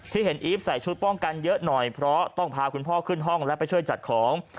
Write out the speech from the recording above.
ที่เห็นอีฟใส่ชุดป้องกันเยอะหน่อยเพราะต้องพาคุณพ่อขึ้นห้องแล้วไปช่วยจัดของ